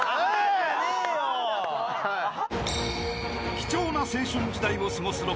［貴重な青春時代を過ごす６年間］